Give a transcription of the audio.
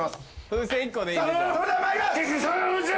風船１個でいいね。